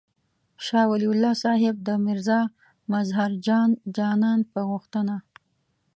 شاه ولي الله صاحب د میرزا مظهر جان جانان په غوښتنه.